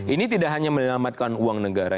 ini tidak hanya menyelamatkan uang negara